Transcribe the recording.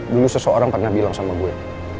dulu seseorang pernah bilang sama gue